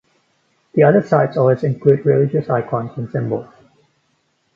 The other sites always include religious icons and symbols.